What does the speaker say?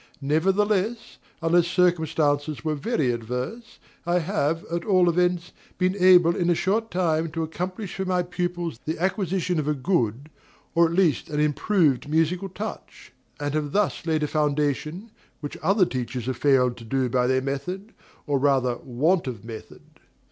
Nevertheless, unless circumstances were very adverse, I have, at all events, been able in a short time to accomplish for my pupils the acquisition of a good, or at least an improved, musical touch; and have thus laid a foundation, which other teachers have failed to do by their method, or rather want of method.